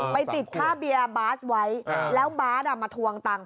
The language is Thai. ไปติดค่าเบียร์บาสไว้แล้วบาสมาทวงตังค์